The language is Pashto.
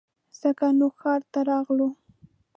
ځکه نو ښار ته راغلو